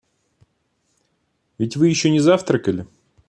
Ведь вы еще не завтракали?